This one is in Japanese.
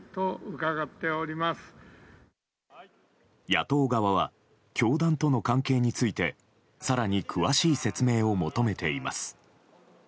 野党側は教団との関係について更に詳しい説明を求めています。